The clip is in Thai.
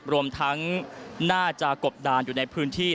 รวมทั้งน่าจะกบดานอยู่ในพื้นที่